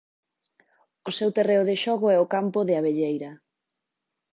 O seu terreo de xogo é o Campo de Abelleira.